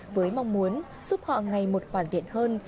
với mong muốn giúp họ ngày một hoàn thiện hơn